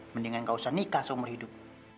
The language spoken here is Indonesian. mendingan gak usah nikah seumur hidup